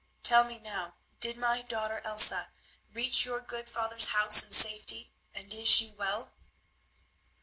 Tell me now, did my daughter, Elsa, reach your good father's house in safety, and is she well?"